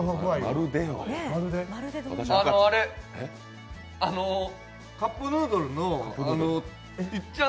あの、あれカップヌードルのいっちゃん